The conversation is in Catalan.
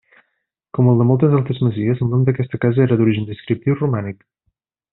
Com el de moltes altres masies, el nom d'aquesta casa era d'origen descriptiu, romànic.